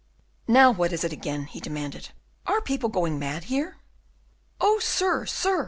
"Now, what is it again," he demanded; "are people going mad here?" "Oh, sir! sir!"